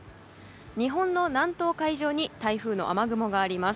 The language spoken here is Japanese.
日本の南東海上に台風の雨雲があります。